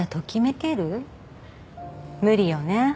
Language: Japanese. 無理よね。